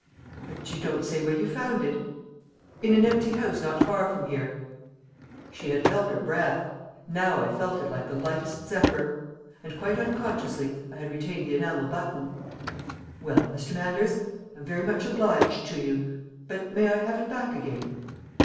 "But you don't say where you found it?" "In an empty house not far from here." She had held her breath; now I felt it like the lightest zephyr. And quite unconsciously I had retained the enamel button. "Well, Mr. Manders? I'm very much obliged to you. But may I have it back again?"